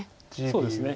そうですね。